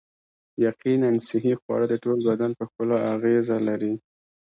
یقیناً صحي خواړه د ټول بدن په ښکلا اغیزه لري